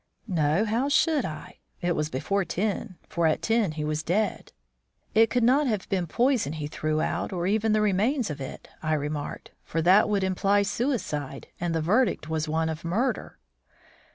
"No; how should I? It was before ten, for at ten he was dead." "It could not have been poison he threw out or even the remains of it," I remarked, "for that would imply suicide; and the verdict was one of murder."